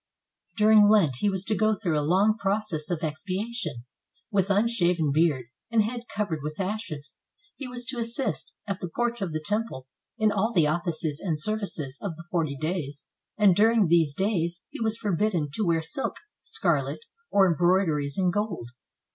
During Lent he was to go through a long process of expiation. With unshaven beard, and head covered with ashes, he was to assist, at the porch of the temple, in all the offices and services of the forty days, and during these days he was forbidden to wear silk, scarlet, or embroideries in gold.